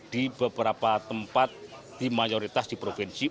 di beberapa tempat di mayoritas di provinsi